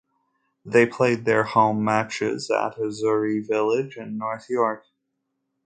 They played their home matches at Azzurri Village in North York.